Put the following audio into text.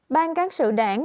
ban cáng sự đảng